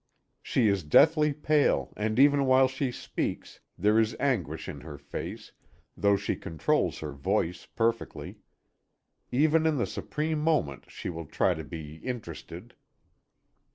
She is deathly pale, and even while she speaks, there is anguish in her face, though she controls her voice perfectly. Even in the supreme moment she will try to be "interested."